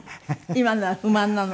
今のは不満なの？